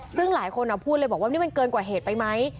ซึ่งหลายคนพูดเลยบอกว่านี่มันเกินกว่าเหตุไปไหม